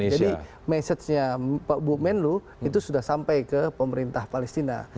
jadi message nya pak bukmen lu itu sudah sampai ke pemerintah palestina